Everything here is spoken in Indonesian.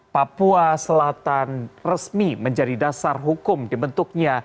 papua selatan resmi menjadi dasar hukum dibentuknya